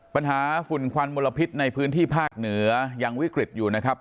ฝุ่นควันมลพิษในพื้นที่ภาคเหนือยังวิกฤตอยู่นะครับ